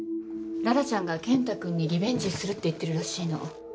羅羅ちゃんが健太君にリベンジするって言ってるらしいの。